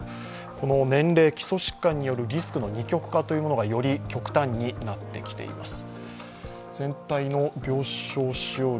この年齢、基礎疾患のリスクの二極化がより極端になってきています。